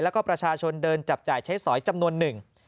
แล้วก็ประชาชนเดินจับจ่ายใช้สอยจำนวนหนึ่ง